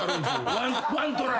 ワントライ。